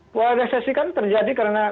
polarisasi kan terjadi karena